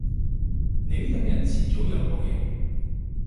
你啲噉嘅人遲早有報應！